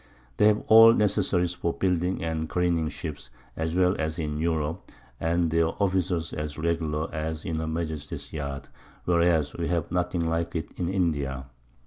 They have all Necessaries for Building and Careening Ships, as well as in Europe, and their Officers as regular as in her Majesty's Yards; whereas we have nothing like it in India.